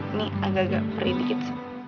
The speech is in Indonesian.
ini agak agak perih dikit